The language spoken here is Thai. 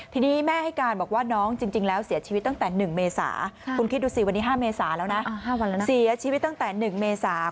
ทีนี้แม่ให้การบอกว่าน้องจริงแล้วเสียชีวิตตั้งแต่๑เมษา